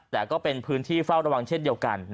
แต่ก็เป็นพื้นที่เฝ้าระวังเช่นเดียวกัน